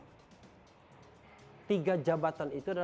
tiga jabatan itu adalah jabatan yang terkenal